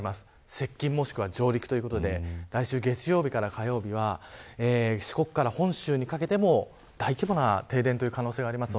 接近もしくは上陸ということで来週月曜日から火曜日は四国から本州にかけても大規模な停電の可能性があります。